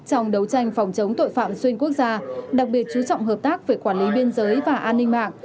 trong đấu tranh phòng chống tội phạm xuyên quốc gia đặc biệt chú trọng hợp tác về quản lý biên giới và an ninh mạng